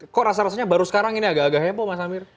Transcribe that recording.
kok rasa rasanya baru sekarang ini agak agak heboh mas amir